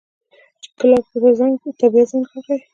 چې ګلاب ته بيا زنګ راغى.